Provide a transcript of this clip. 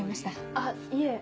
あっいえ。